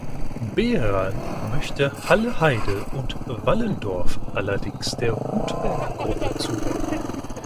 Beran möchte Halle-Heide und Wallendorf allerdings der Hutberg-Gruppe zuordnen.